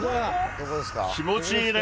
気持ちいいね。